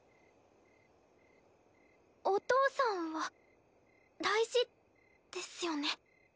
お父さんは大事ですよね。